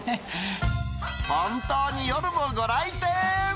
本当に夜もご来店。